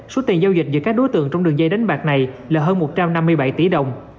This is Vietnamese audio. số tiền giao dịch giữa các đối tượng trong đường dây đánh bạc này là hơn một trăm năm mươi bảy tỷ đồng